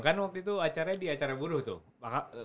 kan waktu itu acaranya di acara buruh tuh